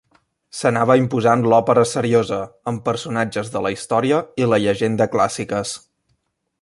S'anava imposant l'òpera seriosa amb personatges de la història i la llegenda clàssiques.